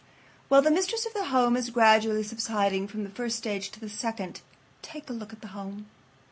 While the mistress of the home is gradually subsiding from the first stage to the second, take a look at the home.